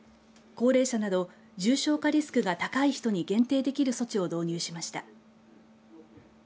高齢者など重症化リスクが高い人に限定できる措置を導入しました。